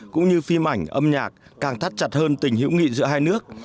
cũng như phim ảnh âm nhạc càng thắt chặt hơn tình hữu nghị giữa hai nước